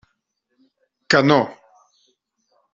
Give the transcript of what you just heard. Que no!